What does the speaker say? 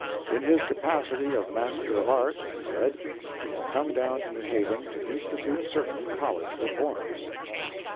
In his capacity of Master of Arts, he said, he had come down to New Haven to institute certain college reforms.